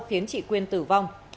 khiến chị quyên tử vong